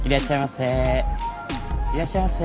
いらっしゃいませ。